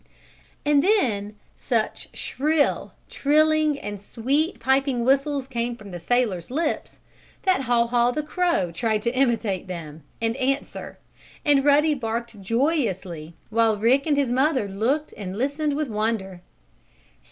And then such shrill, trilling and sweet piping whistles came from the sailor's lips that Haw Haw, the crow, tried to imitate them and answer, and Ruddy barked joyously, while Rick and his mother looked and listened with wonder.